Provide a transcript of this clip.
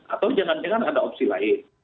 atau jangan jangan ada opsi lain